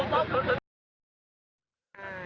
เขาก็เห็นเวลาเขาดูตามเขามองเหมือนเรา